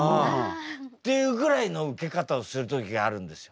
っていうぐらいのウケ方をする時があるんですよ。